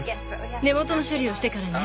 根元の処理をしてからね。